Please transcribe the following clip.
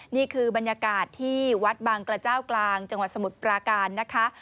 นี่คือบรรยากาศที่วัดบางกระเจ้ากลางจังหวัดสมุทรปราการนะคะ